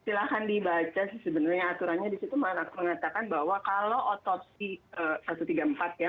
silahkan dibaca sih sebenarnya aturannya disitu mengatakan bahwa kalau otopsi satu ratus tiga puluh empat ya